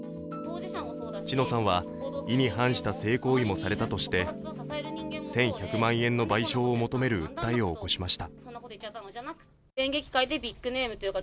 知乃さんは意に反した性行為もされたとして１１００万円の賠償を求める訴えを起こしました。